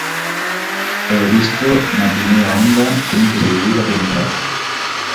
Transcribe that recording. E o visto na primeira onda ten que servir de aprendizaxe.